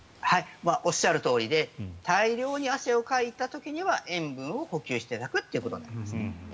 おっしゃるとおりで大量に汗をかいた時には塩分を補給していただくということですね。